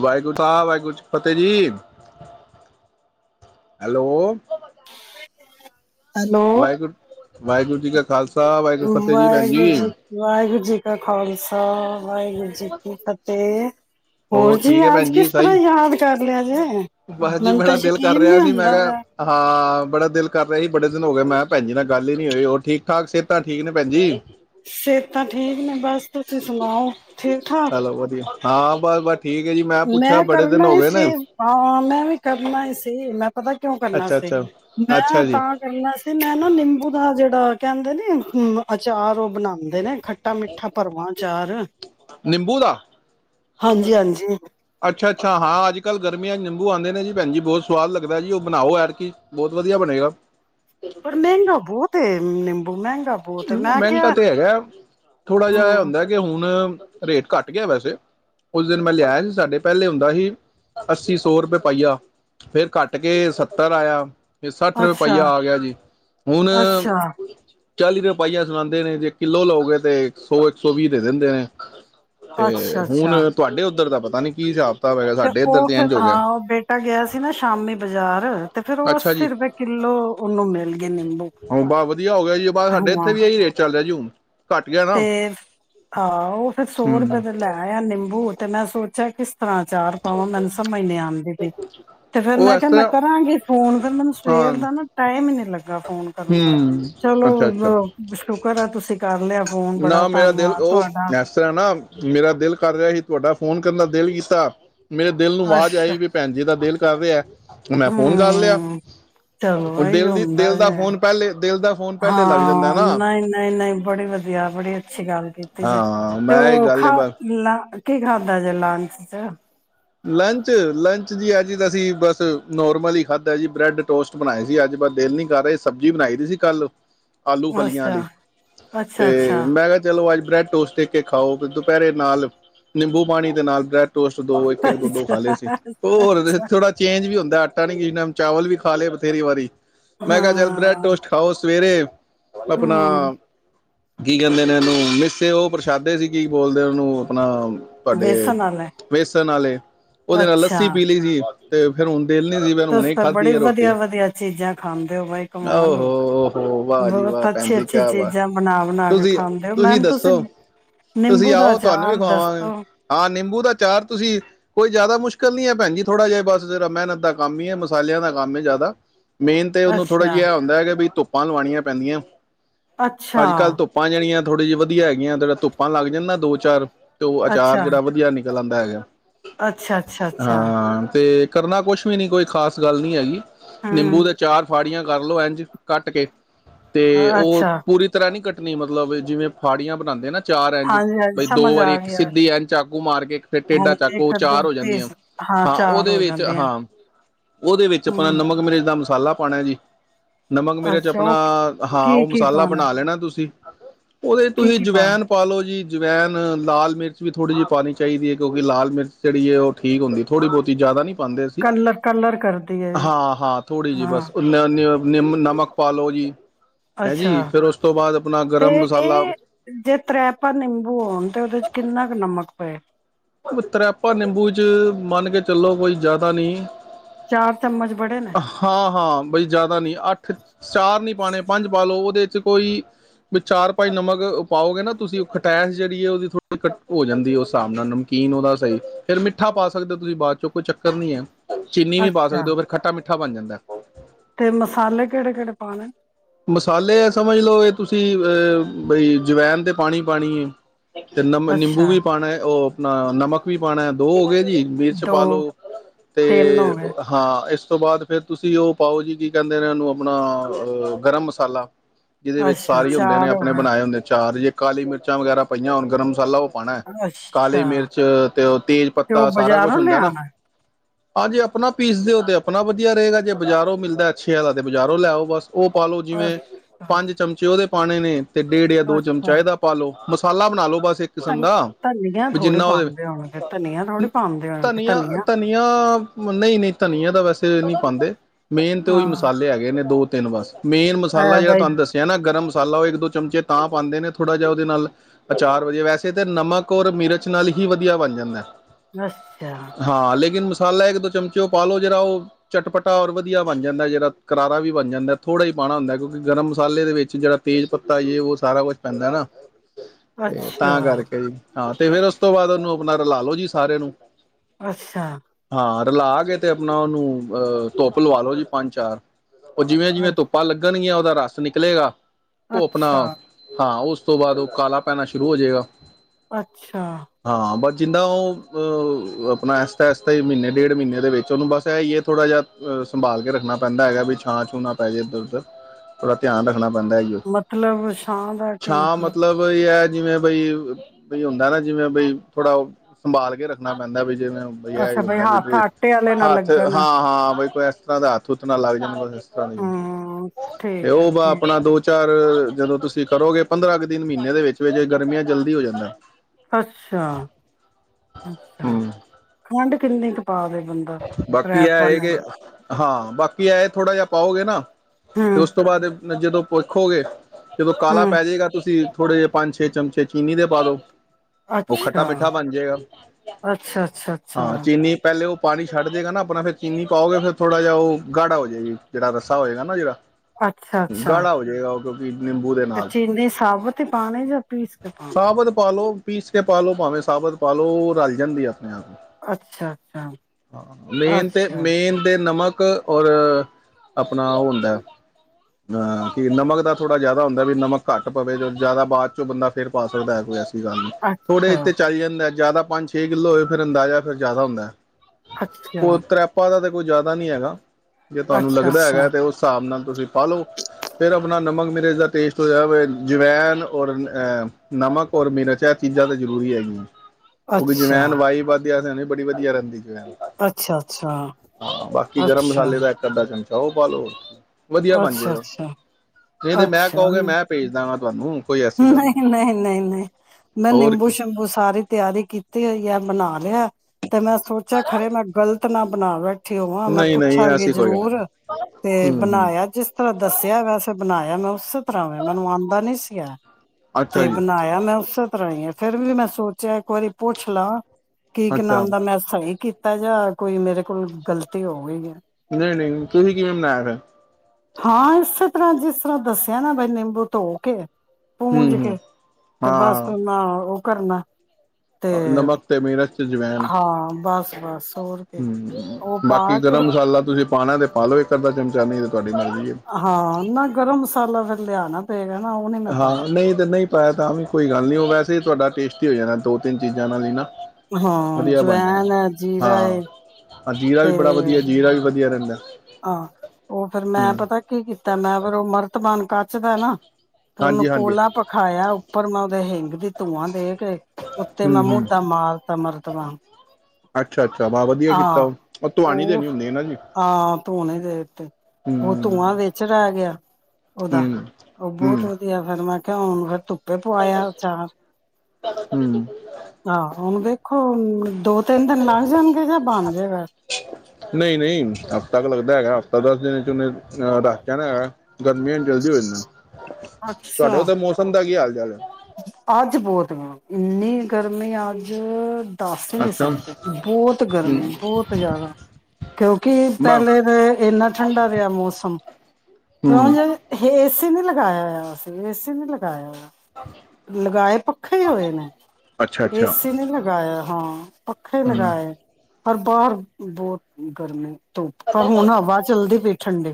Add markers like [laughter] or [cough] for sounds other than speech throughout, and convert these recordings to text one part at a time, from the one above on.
ਵਾਹਿਗੁਰੂ ਸਾਹਿਬ ਵਾਹਿਗੁਰੂ ਜੀ ਕੀ ਫਤਿਹ ਜੀ, ਹੈਲੋ। [unintelligible] ਵਾਹਿਗੁਰੂ- ਵਾਹਿਗੁਰੂ ਜੀ ਕਾ ਖਾਲਸਾ ਵਾਹਿਗੁਰੂ ਜੀ ਕੀ ਫਤਿਹ ਜੀ ਭੈਣ ਜੀ। ਵਾਹਿਗੁਰੂ ਹਾਂ। ਵਾਹਿਗੁਰੂ ਜੀ ਕੀ ਫ਼ਤਿਹ, ਹੋਰ ਜੀ, ਠੀਕ ਹੈ ਅੱਜ ਭੈਣ ਜੀ ਕਿਸ ਤਰ੍ਹਾਂ ਸਹੀ ਯਾਦ ਕਰ ਹਾ। ਬਸ ਜੀ ਬੜਾ ਦਿਲ ਕਰ ਰਿਹਾ ਸੀ, ਮੈਂ ਹੁੰਦਾ ਕਿਹਾ ਪਿਆ ਹਾਂ। ਬੜਾ ਦਿਲ ਕਰ ਰਿਹਾ ਸੀ, ਬੜੇ ਦਿਨ ਹੋ ਗਏ ਮੈਂ ਭੈਂਜੀ ਨਾ ਗੱਲ ਹੀ ਨਹੀ ਹੋਈ ਹੋਰ ਠੀਕ-ਠਾਕਿ ਸੇਹਤਾਂ ਠੀਕ ਨੇ ਭੈਣਜੀ। ਸਿਹਤਾਂ ਠੀਕ ਨੇ ਬਸ ਤੁਸੀਂ ਸੁਣਾਓ ਠੀਕ ਠਾਕ ਚਲੋ ਵਧੀਆ ਹਾਂ ਬਸ-ਬਸ। ਮੈਂ ਕਰਨਾ ਹੀ ਸੀ, ਹਾਂ ਮੈਂ ਵੀ ਕਰਨਾ ਹੀ ਸੀ ਮੈਂ ਪਤਾ ਕਿਉਂ ਕਰਨਾ ਅੱਛਾ ਸੀ, ਅੱਛਾ ਅੱਛਾ ਮੈਂ ਜੀ ਤਾਂ ਕਰਨਾ ਸੀ, ਮੈਂ ਨਾ ਨਿੰਬੂ ਦਾ ਜਿਹੜਾ ਦਾਲ ਕਹਿੰਦੇ ਨੇ ਅਚਾਰ ਹੋ ਬਣਾਉਂਦੇ ਨੇ ਖੱਟਾ-ਮਿੱਠਾ ਭਰਵਾਂ ਅਚਾਰ ਨਿੰਬੂ ਦਾ ਹਾਂਜੀ-ਹਾਂਜੀ। ਅੱਛਾ-ਅੱਛਾ ਹਾਂ, ਅੱਜ-ਕੱਲ੍ਹ ਗਰਮੀਆਂ ਚ ਨਿੰਬੂ ਆਉਂਦੇ ਨੇ ਜੀ ਭੈਣ ਜੀ ਬਹੁਤ ਸਵਾਦ ਲੱਗਦਾ ਜੀ ਉਹ ਬਣਾਓ ਐਤਕਿ ਬਹੁਤ ਵਧੀਆ ਬਣੇਗਾ। ਪਰ ਮਹਿੰਗਾ ਬਹੁਤ ਏ ਨਿੰਬੂ। ਬੋ ਮੈਂਹ ਮਹਿੰਗਾ ਤੇ ਹੈਗਾ ਥੋੜਾ ਜਿਹਾ ਇਹ ਹੂੰ ਹੁੰਦਾ ਕਿ ਹੁਣ ਰੇਟ ਘੱਟ ਗਿਆ ਵੈਸੇ ਉਸ ਦਿਨ ਮੈਂ ਲਿਆਇ ਸੀ ਸਾਡੇ ਪਹਿਲੇ ਹੁੰਦਾ ਸੀ, ਅੱਸੀ-ਸੌ ਰੁਪਏ ਪਾਈਆ ਫੇਰ ਕੱਟ ਕੇ ਸੱਤਰ ਆਇਆ। ਫਿਰ ਸੱਠ ਰੁਪਏ ਅੱਛਾ, ਪਹੀਆ ਆ ਗਿਆ ਜੀ ਹੁਣ ਅੱਛਾ, ਚਾਲੀ ਰੁਪਏ ਪਾਇਆ ਸੁਣਾਉਂਦੇ ਨੇ, ਜੇ ਕਿੱਲੋ ਲੋਗੇ ਤੇ ਸੌ-ਇੱਕ ਸੌ ਵੀਹ ਦੇ ਦਿੰਦੇ ਨੇ। ਤੇ ਅੱਛਾ, ਅੱਛਾ ਹੁਣ ਤੁਹਾਡੇ ਉੱਧਰ ਦਾ ਪਤਾ ਨੀ ਕੀ ਹਿਸਾਬ ਕਿਤਾਬ ਹੈਗਾ ਤੇ ਸਾਡੇ ਇੱਧਰ ਉਹ ਫਿਰ ਇੰਝ ਹੋ ਗਿਆ ਹਾਂ, ਉਹ ਬੇਟਾ ਗਿਆ ਸੀ ਨਾ ਸ਼ਾਮੀ ਬਾਜ਼ਾਰ ਤੇ ਫਿਰ ਉਹ ਅੱਸੀ ਰੁਪਏ ਕਿੱਲੋ ਉਹਨੂੰ ਮਿਲ ਗਿਆ ਹਾਂ ਬਸ ਵਧੀਆ ਹੋ ਗਿਆ ਜੀ ਬਸ ਸਾਡੇ ਇੱਥੇ ਹਾਂ ਵੀ ਇਹੀ ਰੇਟ ਚੱਲ ਰਿਹਾ ਜੀੁ ਹੁਣ। ਘੱਟ ਗਿਆ ਨਾ ਤੇ ਆਹੋ ਉਹ ਫਿਰ ਸੌ ਰੁਪਏ ਹਮ ਤੇ ਲੈ ਆ ਨਿੰਬੂ ਤੇ ਮੈਂ ਸੋਚਿਆ ਕਿ ਤਰ੍ਹਾਂ ਚਾਰ ਪਾਵਾਂ ਮੈਨੂੰ ਸਮਝ ਨੀ ਆਂਦੀ ਪਈ ਤੇ ਫੇਰ ਉਹ ਮੈਂ ਇਸ ਕਿਹਾ ਮੈਂ ਤਰ੍ਹਾਂ ਕਰਾਂਗੀ ਫੋਨ ਫਿਰ ਮੈਨੂੰ ਸਵੇਰ ਹਾਂ ਦਾ ਨਾ ਟਾਈਮ ਹੀ ਨੀ [unintelligible] ਫੋਨ ਕਰਨ ਦਾ ਹੂੰ ਅੱਛਾ ਅੱਛਾ ਚਲੋ ਸ਼ੁਕਰ ਆ ਤੁਸੀਂ ਕਰ ਲਿਆ ਫੋਨ ਬੜਾ ਨਾ ਮੇਰਾ ਦਿਲ ਧੰਨਵਾਦ ਉਹ ਤੁਹਾਡਾ। ਐਸ ਤਰ੍ਹਾਂ ਨਾ [unintelligible] ਮੇਰਾ ਦਿਲ ਕਰ ਰਿਹਾ ਸੀ ਤੁਹਾਡਾ ਫ਼ੋਨ ਕਰਨ ਦਾ ਦਿਲ ਕੀਤਾ ਮੇਰੇ ਦਿਲ ਨੂੰ ਆਵਾਜ਼ ਅੱਛਾ ਆਈ ਵੀ ਭੈਣ ਜੀ ਦਾ ਦਿਲ ਕਵੇਆ ਮੈਂ ਫੋਨ ਕਰ ਲਿਆ ਹੂੰ ਚਲੋ ਉਹ ਇਹੀ ਦਿਲ ਦੀ ਹੁੰਦਾ ਦਿਲ ਦਾ ਜੇ। ਫੋਨ ਪਹਿਲੇ ਦਿਲ ਦਾ ਫੋਨ ਪਹਿਲੇ ਲੱਗ ਜਾਂਦਾ ਐ ਹਾਂ ਨਾ ਨਹੀਂ ਨਹੀਂ ਨਹੀਂ ਬੜੀ ਵਧੀਆ ਬੜੀ ਅੱਛੀ ਗੱਲ ਕੀਤੀ ਜ ਹਾਂ ਤੇ ਮੈਂ ਇਹ ਉਹਔ ਗੱਲ ਹੈ ਖਾ ਬਸ ਲ ਕੀ ਖਾਂਦਾ ਜੇ ਲੰਚ ਚ ਲੰਚ ਲੰਚ ਜੀ ਅੱਜ ਤਾਂ ਅਸੀਂ ਬਸ ਨੋਰਮਲ ਹੀ ਖਾਧਾ ਜੀ ਬ੍ਰੈਡ ਟੋਸਟ ਬਣਾਏ ਸੀ ਅੱਜ ਬਸ ਦਿਲ ਨਹੀਂ ਕਰ ਰਹੇ ਸਬਜ਼ੀ ਬਣਾਈ ਦੀ ਸੀ ਕੱਲ ਆਲੂ ਫਲੀਆਂ ਅੱਛਾ। ਦੀ ਅੱਛਾ ਤੇ ਅੱਛਾ ਅੱਛਾ ਮੈਂ ਕਿਹਾ ਚਲੋ ਅੱਜ ਬ੍ਰੈਡ ਟੋਸਟ ਦੇ ਕੇ ਖਾਓ ਦੁਪਹਿਰੇ ਨਾਲ ਨਿੰਬੂ ਪਾਣੀ ਦੇ ਨਾਲ ਬ੍ਰੈਡ ਟੋਸਟ ਇੱਕ ਦੋ ਦੋ ਅੱਛਾ ਖਾ ਲਏ ਸੀ ਹੋਰ ਅੱਛਾ। ਥੋੜਾ ਚੇਂਜ ਵੀ ਹੁੰ ਆਟਾ ਨੀ ਖਿਛਣਾ ਚਾਲ ਵੀ ਖਾ ਲਿਆ ਬਥੇਰੀ ਵਾਰੀ ਮੈਂ ਕਿਹਾ ਚਲ ਬ੍ਰੈਡ ਹਾਂ ਟੋਸਟ ਖਾਓ ਸਵੇਰੇ ਅਪਨਾ ਹੂੰ ਕੀ ਕਹਿੰਦੇ ਨੇ ਇਹਨੂੰ ਮਿਸੇ ਉਹ ਪ੍ਰਸ਼ਾਦੇ ਸੀ ਕੀ ਬੋਲਦੇ ਉਹਨੂੰ ਆਪਣਾ ਤੁਹਾਡੇ ਵੇਸਣ ਆਲੇ ਵੇਸ ਣ ਨਾਲੇ ਉਹਦੇ ਨਾਲ ਲੱਸੀ ਅੱਛਾ। ਪੀ ਲਈ ਸੀ ਤੇ ਫੇਰ ਹੁਣ ਦਿਲ ਨੀ ਸੀ ਫਿਰ ਤੁਸੀ ਹੁਣੇ ਤਾਂ ਬੜੀ ਖਾਧੀ ਹੈ ਰੋਟੀ ਵਧੀਆ ਵਧੀਆ ਚੀਜ਼ਾਂ ਖਾਂਦੇ ਹੋ ਬਾਈ ਆਹੋ ਕਮਾਲ ਹੋ ਹੋ ਵਾਹ ਜੀ ਵਾਹ ਬਹੁਤ ਭੈਣ ਅੱਛੀ ਜੀ ਅੱਛੀ ਕਿਆ ਵਾਹ ਚੀਜ਼ਾਂ ਬਣਾ ਬਣਾ ਕੇ ਤੁਸੀਂ ਖਾਂਦੇ ਹੋ ਮੈਮ ਤੁਸੀਂ ਦੱਸੋ ਤੁਸੀਂ ਨਿੰਬੂ ਦਾ ਆਓ ਤੁਹਾਨੂੰ ਵੀ ਅਚਾਰ ਖਵਾਵਾਂਗੇ ਦੱਸਦੋ ਹਾਂ ਨਿੰਬੂ ਦਾ ਚਾਰ ਤੁਸੀਂ ਕੋਈ ਜ਼ਿਆਦਾ ਮੁਸ਼ਕਿਲ ਨਹੀਂ ਹੈ ਭੈਣ ਜੀ ਥੋੜਾ ਜਿਹਾ ਬਸ ਜਹਾ ਮਿਹਨਤ ਦਾ ਕੰਮ ਹੀ ਹੈ ਮਸਾਲਿਆਂ ਦਾ ਕੰਮ ਹੈ ਜ਼ਿਆਦਾ ਮੇਨ ਤੇ ਉਹਨੂੰ ਥੋੜ੍ਹਾ ਅੱਛਾ, ਜਿਹਾ ਹੁੰਦਾ ਹੈ ਵੀ ਧੁਪ ਪਾਂ ਲਵਾਉਣੀਆਂ ਪੈਂਦੀਆਂ ਅੱਛਾ, ਅੱਜ ਕੱਲ੍ਹ ਧੁੱਪਾਂ ਜਣੀਆਂ ਥੋੜ੍ਹੀ ਜਿਹੀ ਵਧੀਆਂ ਹੈਗੀਆਂ ਜਿਹੜਾ ਧੁਪ ਲੱਗ ਜਾਂਦਾ ਦੋ ਚਾਰ ਤੇ ਉਹ ਅਚਾਰ ਅੱਛਾ। ਜਿਹੜਾ ਵਧੀਆ ਨਿਕਲ ਆਂ ਪੈ ਗਿਆ ਅੱਛਾ-ਅੱਛਾ-ਅੱਛਾ ਹਾਂ ਤੇ ਕਰਨਾ ਕੁਛ ਵੀ ਨਹੀਂ ਕੋਈ ਖਾਸ ਗੱਲ ਨਹੀਂ ਹੈਗੀ ਨਿੰਬੂ ਹੂੰ ਦੇ ਚਾਰ ਫਾੜੀਆਂ ਕਰਲੋ ਐਡ ਕੱਟ ਕੇ ਤੇ ਉਹ ਅੱਛਾ ਪੂਰੀ ਤਰ੍ਹਾਂ ਨਹੀਂ ਕੱ ਟ ਨ ਮਤਲਬ ਜਿਵੇਂ ਫਾੜੀਆਂ ਬਣਾਉਂਦੇ ਨਾ ਚਾਰ ਇੰਚ ਹਾਂਜੀ-ਹਾਂਜੀ ਬਈ ਦੋ ਸਮਝ ਆ ਵਾਰੀ ਇੱਕ ਗਿਆ ਸਿੱਧੀ ਇੰਚ ਆਗੂ ਮਾਰ ਕੇ ਇੱਕ ਫਿਰ ਹਾਂ ਟੇਡਾ ਚਾਕੋ ਇੱਕ ਦੋ ਚਾਰ ਹੋ ਜਾਂਦੀਆਂ ਪੀਸ ਹਾਂ ਚਾਰ ਉਹਦੇ ਹੋ ਵਿੱਚ ਜਾਂਦੇ ਆ ਹਾਂ ਉਹਦੇ ਵਿੱਚ ਆਪਣਾ ਹੂੰ ਨਮਕ ਮਿਰਚ ਦਾ ਦਾ ਮਸਾਲਾ ਪਾਉਣਾ ਜੀ ਨਮਕ ਮੇਰੇ 'ਚ ਅੱਛਾ ਆਪਣਾ ਉਹ ਹਾਂ ਉਹ ਕੀ-ਕੀ ਮਸਾਲਾ ਪਾਣਾ ਬਣਾ ਲੈਣਾ ਤੁਸੀਂ ਉਹਦੇ ਤੁਸੀਂ ਕੀ-ਕੀ ਪਾ ਜਵੈਨ ਪਾਾਲੋ ਜੀ ਅਜਵੈਨ ਲਾਲ ਮਿਰਚ ਵੀ ਥੋੜ੍ਹੀ ਜਿਹੀ ਪਾਉਣੀ ਚਾਹੀਦੀ ਹੈ ਕਿਉਂਕਿਾਲ ਮਿਰਚ ਜਿਹੜੀ ਠੀਕ ਹੁੰਦੀ ਥੋੜੀ ਬਹੁਤੀ ਜ਼ਿਆਦਾ ਨਹੀਂ ਪਾਉਂਦੇ ਸੀ ਕਲਰ-ਕਲਰ ਕਰਦੀ ਹੈ ਹਾਂ ਹਾਂ ਥੋੜ੍ਹੀ ਜਿਹੀ ਹਾਂ ਬਸ ਉਨੀ ਉਨੀ ਨਿੰਮ ਨਮਕ ਪਾ ਲਉ ਜੀ ਹੈਂ ਅੱਛਾ ਜੀ ਫਿਰ ਉਸ ਤੋਂ ਬਾਅਦ ਆਪਣਾ ਤੇ ਗਰਮ ਮਸਾਲਾ ਇਹ ਜੇ ਤ੍ਰੈਪਾ ਨਿੰਬੂ ਆਉਣ ਤੇ ਉਹਦੇ ਚ ਕਿੰਨਾ ਕੁ ਨਮਕ ਪਏ ਤਰੈਪਾ ਨਿੰਬੂ ਚ ਮੰਨ ਕੇ ਚੱਲੋ ਕੋਈ ਜ਼ਿਆਦਾ ਨਹੀਂ ਚਾਰ ਚਮਚ ਬੜੇ ਨੇ ਹਾਂ ਹਾਂ ਬਈ ਜ਼ਿਆਦਾ ਨੀ ਅੱਠ ਚਾਰ ਨੀ ਪਾਣੇ ਪੰਜ ਪਾ ਲਓ ਉਹਦੇ ਕੋਈ ਵੀ ਚਾਰ ਭਾਈ ਨਮਕ ਪਾਓਗੇ ਨਾ ਤੁਸੀਂ ਖਟੈਸ ਜਿਹੜੀ ਹੈ ਉਹਦੀ ਥੋੜ੍ਹੀ ਕੱਟ ਹੋ ਜਾਂਦੀ ਹੈ ਉਸ ਹਿਸਾਬ ਨਾਲ ਨਮਕ ਯਕੀਨ ਉਹਦਾ ਸਹੀ ਫਿਰ ਮਿੱਠਾ ਪਾ ਸਕਦੇ ਹੋ ਤੁਸੀਂ ਬਾਅਦ ਚੋਂ ਕੋਈ ਚੱਕਰ ਨਹੀਂੀ ਹੈ ਚੀਨੀ ਵੀ ਪਾ ਅੱਛਾ ਸਕਦੇ ਹੋ ਫਿਰ ਖੱਟਾ ਮਿੱ ਮਿੱਠਾ ਬਣ ਜਾਂਦਾ ਤੇ ਮਸਾਲੇ ਕਿਹੜੇ ਕਿਹੜੇ ਪਾਣੇ ਮਸਾਲੇ ਆ ਸਮਝ ਲਓ ਇਹ ਤੁਸੀਂ ਅਹ ਬਈ ਜਵੈਨ ਤੇ ਪਾਉਣੀ ਤੇ ਨਮ ਨਿੰਬੂ ਅੱਛਾ ਵੀ ਪਾਉਣਾ ਉਹ ਨਾ ਨਮਕ ਵੀ ਪਾਉਣਾ ਦੋ ਹੋ ਗਏ ਮਿਰਚ ਦੋ ਪਾਾਲੋ ਤੇ ਤਿੰਨ ਹੋ ਗਏ ਹਾਂ ਇਸ ਉਸ ਤੋਂ ਬਾਅਦ ਫੇਿਰ ਤੁਸੀਂ ਉਹ ਪਾਓ ਜੀ ਕੀ ਕਹਿੰਦੇ ਨੇ ਉਹਨੂੰ ਆਪਣਾ ਅ ਗਰਮ ਮਸਾਲਾ ਜਿਹਦੇ ਵਿੱਚ ਅੱਛਾ ਸਾਰੇ ਹੁੰਦੇ ਨੇ ਚਾਰ ਹੋ ਆਪਣੇ ਗਏ ਬਣਾਏ ਹੁੰਦੇ ਨੇ ਚਾਰ ਜ ਕਾਲੀ ਮਿਰਚਾਂ ਵਗੈਰਾ ਪਈਆਂ ਹੋਣ ਗਰਮ ਮਸਾਲਾ ਉਹ ਪਾਉਣਾ ਕਾਲੀ ਅੱਛਾ ਮਿਰਚ ਤੇ ਉਹ ਤੇਜ਼ ਤੇ ਪੱਤਾ ਉਹ ਸਾਰਾ ਕੁਛ ਬਾਜ਼ਾਰੋਂ ਹੁੰਦਾ ਨਾ ਲਿਆਣਾ ਹਾਂ ਜੇ ਆਪਣਾ ਪੀਸ ਦਿਓ ਤੇ ਆਪਣਾ ਵਧੀਆ ਰਹੇਗਾ ਜੇ ਬਾਜ਼ਾਰੋਂ ਮਿਲਦਾ ਅੱਛੇ ਵਾਲਾ ਤੇ ਬਾਜ਼ਾਰੋਂ ਲੈਓ ਬਸ ਉਹ ਪਾ ਲੋ ਜਿਵੇਂ ਅੱਛਾ ਪੰਜ ਚਮਚੇ ਉਹਦੇ ਪਾਉਣੇ ਨੇ ਅਤੇ ਡੇਢ ਜਾਂ ਦੋ ਚਮਚਾ ਅੱਛਾ ਇਹਦਾ ਪਾ ਲਉ ਮਸਾਲਾ ਬਣਾ ਲ ਲੋ ਬਸ ਕਿਸਮ ਦਾ ਧਨ- ਧਨੀਆ ਵੀ ਥੋੜ੍ਹੀ ਜਿੰਨਾ ਉਹ ਪਾਉਂਦੇ ਹੋਣਗੇ ਧਨੀਆ ਥੋੜ੍ਹੀ ਪਾਉਂਦੇ ਹੋਣਗੇ ਧਨੀਆ ਧਨੀਆ ਨਹੀਂ ਨਹੀਂ ਧਨੀਆ ਦਾ ਵੈਸੇ ਨ ਪਾਉਂਦੇ ਮੇਨ ਤੇ ਉਹੀ ਹਾਂ ਮਸਾਲੇ ਹੈਗੇ ਨੇ ਦੋ ਤਿੰਨ ਵਸ ਮੇਨ ਮਸਾਲਾ ਹੈ ਬਾਈ ਜਿਹੜਾ ਦੱਸਿਆ ਨਾ ਤੁਹਾਨੂੰ ਗਰਮ ਮਸਾਲਾ ਮਸਾਲਾ ਉਹ ਇੱਕ ਦੋ ਚਮਚੇ ਤਾਂ ਪਾਉਂਦੇ ਨੇ ਥੋੜ੍ਹਾ ਜਿਹਾ ਉਹਦੇ ਨਾਲ ਅਚਾਰ ਵਜੇ ਵੈਸੇ ਤਾਂ ਨਮਕ ਔਰ ਮਿਰਚ ਨਾਲ ਹੀ ਵਧੀਆ ਬਣ ਜਾਂਦਾ ਅੱਛਾ ਹਾਂ ਲੇਕਿਨ ਮਸਾਲਾ ਇੱਕ ਦੋ ਚਮਚੇ ਉਹ ਪਾ ਲਓ ਜਿਹੜਾ ਉਹ ਚਟਪਟਾ ਔਰ ਵਧੀਆ ਬਣ ਜਾਂਦਾ ਜਿਹੜਾ ਕਰਾਰਾ ਵੀ ਬਣ ਜਾਂਦਾ ਥੋੜਾ ਜ ਪਾਉਣਾ ਹੁੰਦਾ ਕਿਉਂਕਿ ਗਰਮ ਮਸਾਲੇ ਦੇ ਵਿੱਚ ਜਿਹੜਾ ਤੇਜ ਪੱਤਾ ਜੇ ਉਹ ਸਾਰਾ ਕੁਛ ਪੈਂਦਾ ਹੈ ਨਾ ਤੇ ਅੱਛਾ ਤਾਂ ਕਰਕੇ ਜ ਹਾਂ ਤੇ ਫੇਰ ਉਸ ਤੋਂ ਬਾਅਦ ਉਹਨੂੰ ਉਹ ਲਾ ਲੋੋ ਜੀ ਸਾਰੇ ਨੂੰ ਅੱਛਾ ਹਾਂ ਰਲਾ ਕੇ ਤੇ ਆਪਣਾ ਉਹਨੂੰ ਅਹ ਧੁੱਪ ਲਵਾ ਲੋ ਜੀ ਪੰਜ ਚਾਰ ਉਹ ਜਿਵੇਂ ਜਿਵੇਂ ਧੁੱਪਾਂ ਲੱਗਣਗੀਆਂ ਉਹਦਾ ਰਸ ਨਿਕਲੇਗਾ ਉਹ ਆਪਣਾ ਅੱਛਾ ਹਾਂ ਉਸ ਉਸ ਤੋਂ ਬਾਅਦ ਉਹ ਕਾਲਾ ਪੈਣਾ ਸ਼ੁਰੂ ਹੋ ਜਾਏਗਾ ਅੱਛਾ ਹਾਂ ਬਸ ਜਿੱਦਾਂ ਉਹ ਆਪਣਾਸ ਮਹੀਨੇ ਡੇਢ ਮਹੀਨੇ ਦੇ ਵਿੱਚ ਉਹਨੂੰ ਬਸ ਇਹ ਹੀ ਥੋੜ੍ਹਾ ਜਿਹਾ ਸੰਭਾਲ ਕੇ ਰੱਖਣਾ ਪੈਂਦਾ ਹੈਗਾ ਵੀ ਛਾਂ ਛੂ ਨਾ ਆਪ ਇਧਰ ਉਧਰ ਥੋੜਾ ਧਿਆਨ ਰੱਖਣਾ ਪੈਂਦਾ ਪੈਂਦਾ ਹੈ ਮਤਲਬ ਛਾਂ ਦਾ ਕੀ ਛਾਂ ਮਤਲਬ ਇਹ ਜਿਵੇਂ ਬਈ ਬਈ ਹੁੰਦਾ ਨਾ ਜਿਵੇਂ ਬਈ ਥੋੜਾ ਉਹ ਸੰਭਾਲ ਕੇ ਰੱਖਣਾ ਪੈਂਦਾ ਬਈ ਜਿਵੇਂ ਬਈ ਇਹ ਹੀ ਅੱਛਾ ਹੁੰਦਾ ਵੀ ਹੱਥ ਆਟੇ ਆਲੇ ਨਾ ਹੱਥ ਲੱਗਣ ਹਾਂ ਹਾਂ ਬਈ ਕੋਈ ਨਾਲੇ ਹੱਥ ਹੁੱਥ ਨਾ ਲੱਗ ਜਾਣ ਹਾਂ [inaudible] ਤੇ ਠੀਕ ਹੈ ਉਹ ਵਾ ਠੀਕ ਆਪਣਾ ਦੋ ਚਾਰ ਜਦੋਂ ਤੁਸੀਂ ਕਰੋਗੇ ਪੰਦਰਾਂ ਅ ਕੁ ਦਿਨ ਮਹੀਨੇ ਦੇ ਵਿੱਚ ਵੀ ਜੇ ਗਰਮੀਆਂ ਜਲਦੀ ਹੋ ਜਾਂਦਾ ਅੱਛਾ ਅੱਛਾ ਹਮ ਖੰਡ ਕਿੰਨੇ ਕੁ ਪਾ ਦੇ ਬੰਦਾ ਬਾਕੀ ਤਰੈ ਇਹ ਹੈ ਕਿ ਭਣੇ ਹਾਂ ਬਾਕੀ ਐ ਥੋੜਾ ਜਿਹਾ ਪਾਓਗੇ ਨਾ ਤੇ ਹਮ ਉਸ ਤੋਂ ਬਾਅਦ ਜਦੋਂ ਭੁਖੋਗੇ ਜਦੋਂ ਕਾਲਾ ਹਮ ਪੈ ਜਾਏਗਾ ਤੁਸੀਂ ਥੋੜੇ ਜਿਹੇ ਪੰਜ ਛੇ ਚਮਚੇ ਚੀਨੀ ਦੇ ਪਾ ਦੋ ਉਹ ਖੱਟਾ ਅੱਛਾ ਮਿੱਠਾ ਬਣ ਜਾਏਗਾ ਅੱਛਾ ਅੱਛਾ ਅੱਛਾ ਹਾਂ ਚੀਨੀ ਪਹਿਲੇ ਉਹ ਪਾਣੀ ਛੱਡ ਜਏਗਾ ਨਾ ਆਪਣਾ ਫਿਰ ਚੀਨੀ ਪਾਓ ਫਿਰ ਥੋੜ੍ਹਾ ਜਿਹਾ ਉਹ ਗਾੜਾ ਹੋ ਜਾਵੇ ਜਿਹੜਾ ਰੱਸਾ ਹੋ ਜਾਏਗਾ ਨਾ ਜਿਹੜਾ ਅੱਛਾ ਅੱਛਾ ਕੀ ਤੇ ਚੀਨੀ ਸਾਬਤ ਹੀ ਪਾਉਣੇ ਜਾਂ ਪੀਸ ਕੇ ਪਾਣੇ ਸਾਬਤ ਪਾ ਲਓ ਪੀਸ ਕੇ ਪਾ ਲਓ ਭਾਵੇਂ ਸਾਬਤ ਪਾ ਲਓ ਉਹ ਰਲ ਜਾਂਦੀ ਆ ਅੱਛਾ ਅੱਛਾ ਹਾਂ ਮੇਨ ਤੇ ਅੱਛਾ ਮੇਨ ਦੇ ਨਮਕ ਔਰ ਆਪਣਾ ਉਹ ਹੁੰਦਾ ਅਹ ਕਿ ਨਮਕ ਦਾ ਥੋੜ੍ਹਾ ਜਿਆਦਾ ਹੁੰਦਾ ਵੀ ਨਮਕ ਘੱਟ ਪਵੇ ਜੋ ਜ਼ਿਆਦਾ ਬਾਅਦ ਚੋਂ ਬੰਦਾ ਫੇਰ ਪਾ ਸਕਦਾ ਹੈ ਕੋਈ ਥੋੜੇ ਅੱਛਾ ਇੱਥੇ ਚੱਲ ਜਾਂਦਾ ਜ਼ਿਆਦਾ ਪੰਜ ਛੇ ਕਿੱਲੋ ਹੋਵੇ ਫਿਰ ਅੰਦਾਜ਼ਾ ਫਿਰ ਜ਼ਿਆਦਾ ਹੁੰਦਾ ਉਹ ਅੱਛਾ ਤਰੈਪਾਂ ਦਾ ਤਾਂ ਕੋਈ ਜ਼ਿਆਦਾ ਨਹੀਂ ਹੈਗਾ ਜੇ ਤੁਹਾਨੂੰ ਅੱਛਾ ਲੱਗਦਾ ਹੈਗਾ ਤੇ ਉਸ ਹਿਸਾਬ ਨਾਲ ਤੁਸੀਂ ਪਾਾਲਓ ਫਿਰ ਆਪਣਾ ਨਮਕ ਮਿਰਜ਼ ਦਾ ਟੇਸਟ ਹੋ ਜਾ ਜਵੈਨ ਔਰ ਅਹ ਨਮਕ ਔਰ ਮਿਰਚ ਇਹ ਚੀਜ਼ਾਂ ਤਾਂ ਜ਼ਰੂਰੀ ਹੈਗੀਆਂ ਅੱਛਾ ਅੱਛਾ ਕਿਉਂਕਿ ਜਵੈਨ ਅੱਛਾ ਵਾਈ ਵੱਧ ਬੜੀ ਵਧੀਆ ਰਹਿੰਦੀ ਅੱਛਾ ਹਾਂ ਬਾਕੀ ਗਰਮ ਅੱਛਾ ਮਸਾਲੇ ਦਾ ਇੱਕ ਅੱਧਾ ਚਮਚਾ [inaudible] ਵਧੀਆ ਬਣ ਜਾਏ ਅੱਛਾ ਹੋ ਅੱਛਾ ਨਹੀਂ ਤੇ ਮੈਂ ਅੱਛਾ, ਕਹੋਗੇ ਮੈਂ ਭੇਜ ਦਾਂਗਾ ਤੁਹਾਨੂੰ ਕੋਈ ਐਸੀ ਗੱਲ ਨਹੀਂ ਨਹੀਂ ਨਹੀਂ ਨਹੀਂ ਮੈਂ ਹੋਰ ਨਿੰਬੂ ਕੀ ਸ਼ਿੰਬੂ ਸਾਰੀ ਤਿਆਰੀ ਕੀਤੀ ਹੋਈ ਹੈ ਬਣਾ ਹ ਤੇ ਮੈਂ ਸੋਚਿਆ ਖਰੇ ਮੈਂ ਗ਼ਲਤ ਨਾ ਬਣਾ ਵੈ ਬੈਠੇ ਹੋਵਾਂ ਮੈਂ ਨਹੀਂ ਨਹੀਂ ਪੁੱਛਾਂਗੀ ਐਸੀ ਕੋਈ ਗੱਲ ਜਰੂਰ ਨਹੀਂ ਤੇ ਹੂੰ ਹੂੰ ਬਣਾਇਆ ਜਿਸ ਤਰ੍ਹਾਂ ਦੱਸਿਆ ਵੈਸੇ ਬਣਾਇਆ ਮ ਉਸਸ [inaudible] ਭਰਾ ਮੈਨੂੰ ਆਉਂਦਾ ਨੀ ਸੀਗਾ ਅੱਛਾ ਤੇ ਜੀ ਬਣਾਇਆ ਮੈਂ ਉਸੇ ਤਰ੍ਹਾਂ ਹੀ ਫੇਿਰ ਵੀ ਮੈਂ ਸੋਚਿਆ ਇੱਕ ਵਾਰੀ ਪੁੱਛ ਲਾਂ ਕੀ ਕੀ ਅੱਛਾ ਨਾਮ ਦਾ ਮੈਂ ਸਾਹੀ ਕੀਤਾ ਤਾਂ ਜਾ, ਕੋਈ ਮੇਰੇ ਕੋਲ ਗ਼ਲਤੀ ਹੋ ਗਈ ਹੈ। ਨਹੀਂ-ਨਹੀਂ ਤੁਸੀਂ ਕਿਵੇਂ ਬਣਾਇਆ ਫਿਰ। ਹਾਂ, ਇਸੇ ਤਰ੍ਹਾਂ ਜਿਸ ਤਰ੍ਹਾਂ ਦੱਸਿਆ ਨਾ ਨਿੰਬੂ ਧੋ ਕੇ ਪੂੰਜ ਹੂੰ ਹੂੰ ਕੇ ਤੇ ਬਸ ਉਹਓਨਾ ਉਹ ਕਰਨਾ। ਤੇ ਨਮਸ ਤੇ ਮਿਰਜ। ਜਵੈਨ ਹਾਂ ਬਸ ਬਸ ਹੋਰ ਕੇ ਹੂੰ ਉਹ ਬਾਕੀ ਪਾ ਕੇ ਗਰਮ ਮਸਾਲਾ ਤੁਸੀਂ ਪਾਣਾ ਤੇ ਪਾਲੋ ਇੱਕ ਅੱਧਾ ਚਮਚਾ ਨੀ ਹਾਂ ਨਾ ਗਰਮ ਮਸਾਲਾ ਫਿਰ ਲਿਆਉਣਾ ਪਏਗਾ। ਨਾ ਉਹ ਨੀ ਮੈਂ ਹਾਂ, ਪਾਇਆ ਨਹੀਂ ਤੇ ਨਹੀਂ। ਤਾਂ ਵੀ ਕੋਈ ਗੱਲ ਨਹੀਂ ਉਹ ਵੈਸੇ ਤੁਹਾਡਾ ਟੇਸਟੀ ਹੋ ਜਾਣਾ ਦੋ-ਤਿੰਨ ਚੀਜ਼ਾਂ ਨਾਲ ਹੀ ਨਾ। ਹਾਂ, ਵਧੀਆ ਬਣ ਜਾਣਾ ਜਵੈਨ ਹੈ ਜੀਰਾ ਹਾਂ ਹੈ। ਜੀਰਾ ਵੀ ਬੜਾ ਵਧੀਆ ਜੀਰਾ ਵੀ ਵਧੀਆ ਰਹਿੰਦਾ। ਹਾਂ, ਉਹ ਫੇਿਰ ਮੈਂ ਹੂੰ ਪਤਾ ਕੀ ਕੀਤਾ ਮੈਂ ਫਿਰ ਉਹ ਮਰਤਬਾਨ ਕੱਚ ਦਾ ਹੈ ਨਾ ਤੇ ਉਹਨੂੰ ਹਾਂਜੀ ਹਾਂਜੀ ਕੋਲਾ ਭਖਾਇਆ ਉੱਪਰ ਮੈਂ ਉਹਦੇ ਹਿਂਗ ਦੀ ਧੂੰਆਂ ਦੇ ਕੇ ਉੱਤੇ ਮੈਂ ਹੂੰ-ਹੂੰ, ਮੂੰਦਾ ਮਾਰ ਕੇ ਤੇ ਮਰਤਬਾਨ ਅੱਛਾ-ਅੱਛਾ ਬ ਵਧੀਆ ਕੀਤਾ ਹਾਂ ਉਹ ਧੁਆਣੀ ਦੇਣੀ ਹੁੰਦੀ ਹੈਨਾ ਜੀ। ਧੋਣੇ ਦੇਤੇ। ਉਹ ਹੂੰ, ਧੂੰਆਂ ਵਿਚ ਰਹਿ ਗਿਆ ਉਹਦਾ, ਹੂੰ, ਉਹ ਬਹੁਤ ਹੂੰ, ਹੂੰ। ਵਧੀਆ ਫਿਰ ਮੈਂ ਕਉ ਫਿਰ ਧੁੱਪ ਫਿਰ ਪਵਾਇਆ ਅਚਾਰ ਹਾਂ, ਹੁਣ ਦੇਖ ਖ ਨਹੀਂ-ਨਹੀਂ, ਹਫਤਾ ਕੁ ਲਗ ਹੈਗਾ ਹਫ਼ਤਾ ਦਸ ਦਿਨ ਚ ਉਹਨੇ ਰੱਸ ਜਾਨਾ ਹੈਗਾ। ਗਰਮੀਆਂ ਚ ਜਲਦੀ ਹੋ ਜਾਂਦਾ, ਤੁਹਾਡੇ ਅੱਛਾ ਉਥੇ ਮੌਸਮ ਦਾ ਕੀ ਹਾਲ ਜ਼ਿਆਦਾ ਅੱਜ ਬਹੁਤ ਆਂ ਇੰਨੀ ਗਰਮੀ ਅੱਜ ਦੱਸ ਹੀ ਨਹੀਂ ਅੱਛਾ ਸਕਦੇ ਹੂੰ ਬਹੁਤ ਗਰਮੀ, ਬਹੁਤ ਜ਼ਿਆਦਾ ਕਿਉਂਕਿ ਬ ਪਹਿਲੇ ਤਾਂ ਇੰਨਾ ਠੰਡਾ ਰਿਹਾ ਮੌਸਮ। ਹੂੰ ਏਸੀ ਨਹੀਂ ਲਗ ਏਸੀ ਨਹੀਂ ਲਗਾਇਆ ਲਗਾਏ ਪੱਖੇ ਹੋਏ ਨੇ ਅੱਛਾ-ਅੱਛਾ ਏਸੀ ਨੇ ਲਗਾਇਆ ਹਾਂ ਪੱਖੇ ਹੂੰ, ਲਗਾਏ ਹਰ ਬਾਹਾਰ ਬਹੁਤ ਗਰਮੀ ਧੁੱਪ ਪਰ ਹੁਣ ਹਵਾ ਚੱਲਦੀ ਪਈ ਠੰਡੀ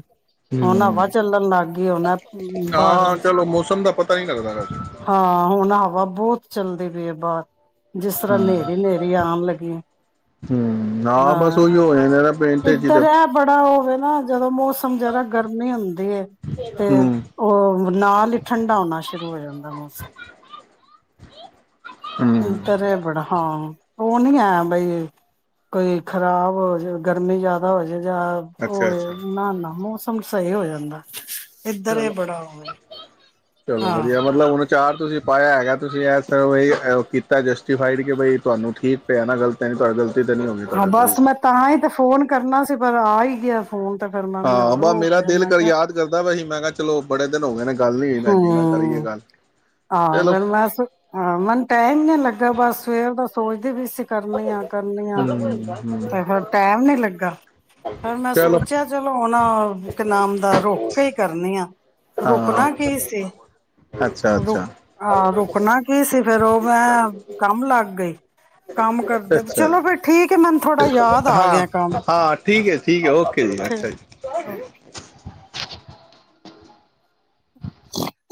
ਹੁਣ ਹਵਾ ਹੂੰ। ਚੱਲਣ ਲੱਗ ਗਈ ਉਹ ਬਾਹਰ ਹਾਂ ਚਲੋ [unintelligible] ਹਾਂ ਹੁਣ ਹਵਾ ਬਹੁਤ ਚੱਲਦੀ ਪਏ ਆ ਬਾਹਰ ਜਿਸ ਤਰ੍ਹਾਂ ਹਨੇਰੀ ਹਨੇਰੀ ਆਉਣ ਲੱਗੀ ਹੂੰ ਬਸ ਹਾਂ ਉਹੀ ਹੋ ਜਾਂਦਾ ਨਾ ਪੇਟ ਚ ਹੀ ਇੱਧਰ ਤੇ ਇਹ ਬੜਾ ਹੋਵੇ ਨਾ ਜਦੋਂ ਮੌਸਮ ਜਰਾ ਗਰਮੀ ਹੁੰਦੀ ਹੈ ਤੇ ਹੂੰ, ਉਹ ਨਾਲ ਹੀ ਠੰਡਾ ਹੋਣਾ ਸ਼ੁਰੂ ਹੋ ਜਾਂਦਾ ਮੌਸਮ ਹੂੰ ਤਰੇ ਬੜ ਹਾਂ ਉਹ ਨਹੀਂ ਹੈ ਬਈ ਕੋਈ ਖ਼ਰਾਬ ਹੋ ਜਾ ਗਰਮੀ ਜਿਆਦਾ ਹੋ ਜਾ ਜਾਂ ਹੋ ਅੱਛਾ-ਅੱਛਾ ਨਾ ਨਾ ਮੌਸਮ ਸਹੀ ਹੋ ਜਾਂਦਾ ਇੱਧਰ ਇਹ ਚਲੋ ਬੜਾ ਹੋਵੇ ਚਲੋ ਹਾਂ ਵਧੀਆ ਮਤਲਬ ਹੁਣ ਚਾਰ ਤੁਸੀਂ ਪਾਇਆ ਹੈਗਾ ਤੁਸੀਂ ਕੀਤਾ ਜਸਟਿਡਫਾਈਡ ਕਿ ਬਈ ਤੁਹਾਨੂੰ ਠੀਕ ਪਿਆ ਨਾ ਗਲਤ ਨ ਤੁਹਾਡਾ ਗਲਤ ਜਸਟਿਡ ਫਾਈਡ ਹਾਂ ਬਸ ਮੈਂ ਤਾਂ ਹੀ ਤੇ ਫੋਨ ਕਰਨਾ ਸੀ ਪਰ ਆ ਹੀ ਗਿਆ ਫੋਨ ਤੇ ਫਿਰ ਮੈਨੂੰ ਹਾਂ ਹੋਰ ਵ ਹੋ ਮੇਰਾ ਗਿਆ ਦਿਲ ਮੈਂ ਕਰ ਕਿਹਾ ਯਾਦ ਕਰਦਾ ਵਾਸੀ ਮੈਂ ਕਿਹਾ ਚਲੋ ਬੜੇ ਦਿਨ ਹੋ ਗਏ ਨੇ ਗੱਲ ਨਹੀਂ ਭੈਜੀ ਨਾ ਕਰੀਏ ਗੱਲ ਹਾਂ ਚਲੋ ਫਿਰ ਮਸ ਮੈਨੂੰ ਟਾਈਮ ਨ ਲੱਗਾ ਬਸ ਸਵੇ ਤਾਂ ਸੋਚਦੇ ਵੀ ਸੀ ਕਰਨੀ ਆ ਕਰਨੀ ਆ ਹਮ ਤੇ ਫਿਰ ਟੈਮ ਨੀ ਲੱਗਾ ਫਿਰ ਮੈਂ ਚਲੋ ਸੋਚਿਆ ਚਲੋ ਹੁਣ ਇੱਕ ਨਾਮ ਦਾ ਰੁੱਖ ਕੇ ਹੀ ਕਰਨੀ ਆ ਹਾਂ ਅੱਛਾ ਰੁ ਅੱਛਾ ਆਹ ਰੁਕਣਾ ਕੀ ਸੀ ਫਿਰ ਉਹ ਮੈਂ ਕੰਮ ਲੱਗ ੱ ਗਈ ਕੰਮ ਕਰਦੇ ਅੱਛਾ ਚਲੋ ਫਿਰ ਠੀਕ ਹੈ ਮੈਨੂੰ ਥੋੜਾ ਯਾਦ ਆ ਹਾਂ ਗਿਆ ਕੰਮ ਹਾਂ ਠੀਕ ਹੈ ਠੀਕ ਹੈ ਓਕੇ ਜੀ ਅੱਛਾ ਠੀਕ ਜੀ ਕੇ [inaudible]